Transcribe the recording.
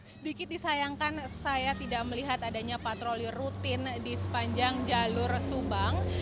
sedikit disayangkan saya tidak melihat adanya patroli rutin di sepanjang jalur subang